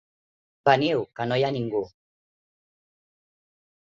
Veniu, que no hi ha ningú!